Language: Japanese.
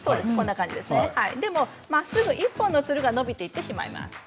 でも、まっすぐ１本のつるが伸びていってしまいます。